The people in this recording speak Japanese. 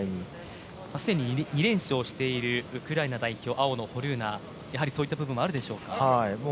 すでに２連勝しているウクライナのホルーナはやはりそういった部分もあるでしょうか。